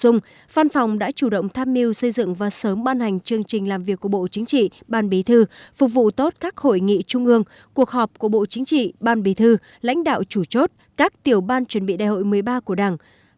trong văn phòng đã chủ động tham mưu xây dựng và sớm ban hành chương trình làm việc của bộ chính trị ban bí thư phục vụ tốt các hội nghị trung ương cuộc họp của bộ chính trị ban bí thư lãnh đạo chủ chốt các tiểu ban chuẩn bị đại hội một mươi ba của đảng